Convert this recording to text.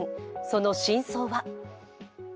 その真相は。